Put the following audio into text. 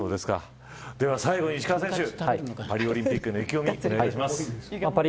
最後に石川選手、パリオリンピックへの意気込みをお願いします。